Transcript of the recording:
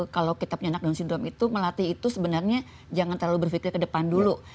kalau kita punya anak down syndrome itu melatih itu sebenarnya jangan terlalu berpikir ke depan dulu